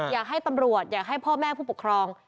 อยากให้ตำรวจอยากให้พ่อแม่ผู้ปกครอง